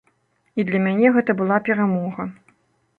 І для мяне гэта была перамога.